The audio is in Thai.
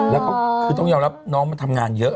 คือจะต้องย้อนรับน้องมาทำงานเยอะ